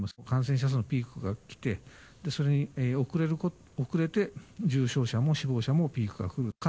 感染者数のピークが来て、それに遅れて重症者も死亡者もピークが来る。